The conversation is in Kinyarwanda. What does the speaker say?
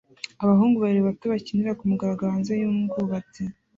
Abahungu babiri bato bakinira kumugaragaro hanze yubwubatsi